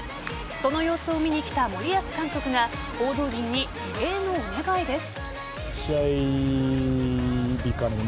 その様子を見に来た森保監督が報道陣に異例のお願いです。